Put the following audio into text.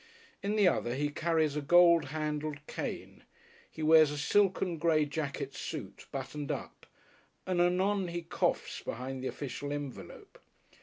In the other he carries a gold handled cane. He wears a silken grey jacket suit, buttoned up, and anon he coughs behind the official envelope.